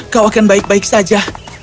kau akan baik baik saja